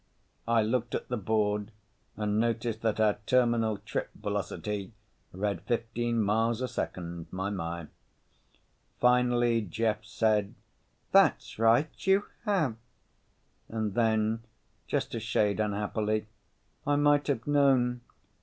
I looked at the board and noticed that our terminal trip velocity read fifteen miles a second. My, my. Finally Jeff said, "That's right, you have." And then, just a shade unhappily, "I might have known.